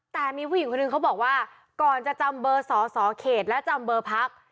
แต่มีผู้หญิงคนหนึ่งเขาบอกว่าก่อนจะจำเบอร์สอสอเขตและจำเบอร์พัก